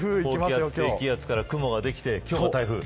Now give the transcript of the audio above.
低気圧から雲ができて今日は台風。